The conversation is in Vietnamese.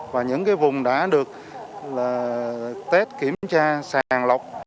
và những cái vùng đã được test kiểm tra sàn lọc